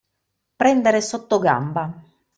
Prendere sottogamba.